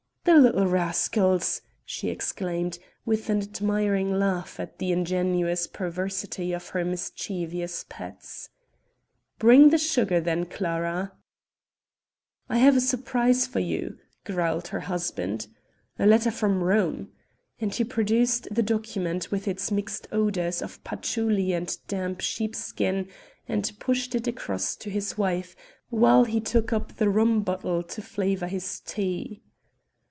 "The little rascals!" she exclaimed, with an admiring laugh at the ingenious perversity of her mischievous pets. "Bring the sugar then, Clara." "I have a surprise for you," growled her husband, "a letter from Rome," and he produced the document, with its mixed odors of patchouli and damp sheepskin, and pushed it across to his wife, while he took up the rum bottle to flavor his tea.